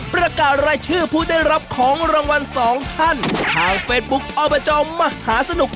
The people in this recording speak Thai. ประกาศรายชื่อผู้ได้รับของรางวัลสองท่านทางเฟซบุ๊คอบจมหาสนุก